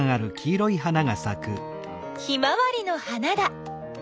ヒマワリの花だ。